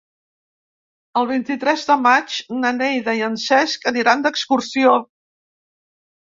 El vint-i-tres de maig na Neida i en Cesc aniran d'excursió.